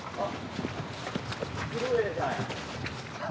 あっ。